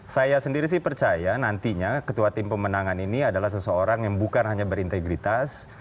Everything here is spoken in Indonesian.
saya sendiri sih percaya nantinya ketua tim pemenangan ini adalah seseorang yang bukan hanya berintegritas